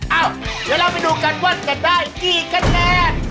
เอ้าเดี๋ยวเราไปดูกันว่ากันได้กี่คะแนน